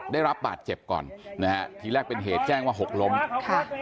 ได้รับบาดเจ็บก่อนนะฮะทีแรกเป็นเหตุแจ้งว่าหกล้มค่ะ